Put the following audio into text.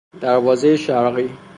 دروازهی شرقی